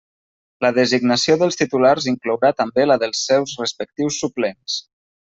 La designació dels titulars inclourà també la dels seus respectius suplents.